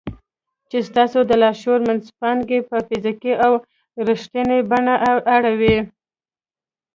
چې ستاسې د لاشعور منځپانګې په فزيکي او رښتينې بڼه اړوي.